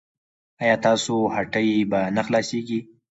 ایا ستاسو هټۍ به نه خلاصیږي؟